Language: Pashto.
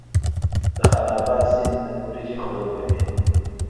د خان اباد سیند وریجې خړوبوي